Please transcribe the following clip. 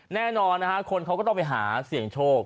แน่นอนนะฮะคนเขาก็ต้องไปหาเสี่ยงโชค